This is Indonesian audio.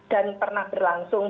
dan pernah berlangsung